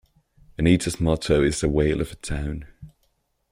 Anita's motto is A Whale of a Town.